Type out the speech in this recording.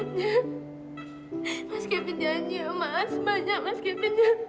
mas kevin janji sama asma ya mas kevin